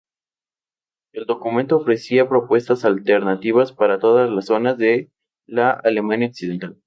El documento ofrecía propuestas alternativas para todas las zonas de la Alemania Occidental.